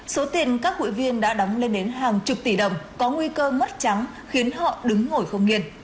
số tiền các hụi viên đã đóng lên đến hàng chục tỷ đồng có nguy cơ mất trắng khiến họ đứng ngồi không nghiền